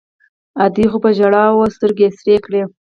ادې خو په ژړاوو سترګې سرې کړې.